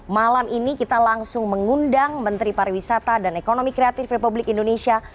malam ini kita langsung mengundang menteri pariwisata dan ekonomi kreatif republik indonesia